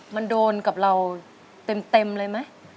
มันโดนกับเราเต็มเลยไหม